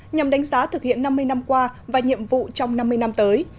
nhằm đánh giá thực hiện năm mươi năm qua và nhiệm vụ trong năm mươi năm tới